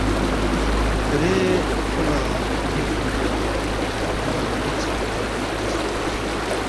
دیرے کھو لہ نِ٘ت اونگمو نہ مو لہ نِ٘ت ژھد پو درا سونگس